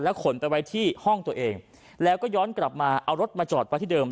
ขนไปไว้ที่ห้องตัวเองแล้วก็ย้อนกลับมาเอารถมาจอดไว้ที่เดิม